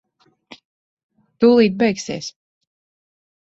Tūlīt beigsies.